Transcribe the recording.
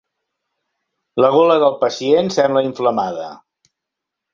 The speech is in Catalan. La gola del pacient sembla inflamada.